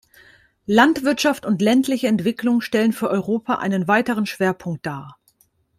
Landwirtschaft und ländliche Entwicklung stellen für Europa einen weiteren Schwerpunkt dar.